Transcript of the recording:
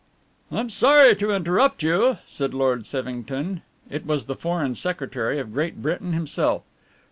"I'm sorry to interrupt you," said Lord Sevington it was the Foreign Secretary of Great Britain himself.